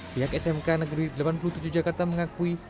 pihak smk negeri delapan puluh tujuh jakarta mengakui